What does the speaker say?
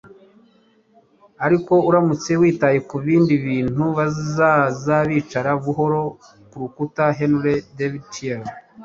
ariko uramutse witaye ku bindi bintu, bizaza bicare buhoro ku rutugu. ”- Henry David Thoreau